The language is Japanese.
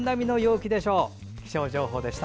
気象情報でした。